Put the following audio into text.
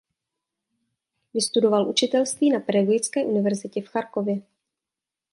Vystudoval učitelství na Pedagogické univerzitě v Charkově.